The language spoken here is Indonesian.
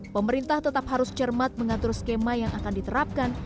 pemerintah tetap harus cermat mengatur skema yang akan diterapkan